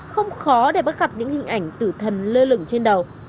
không khó để bắt gặp những hình ảnh tử thần lơ lửng trên đầu